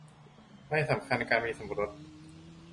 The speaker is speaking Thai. ใบสำคัญการสมรส